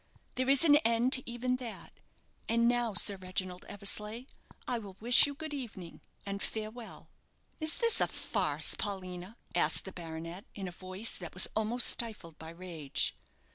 There is an end even to that. And now, Sir Reginald Eversleigh, I will wish you good evening, and farewell." "Is this a farce, Paulina?" asked the baronet, in a voice that was almost stifled by rage.